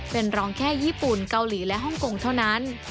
เป็นรองแค่ญี่ปุ่นเกาหลีและฮ่องกงเท่านั้น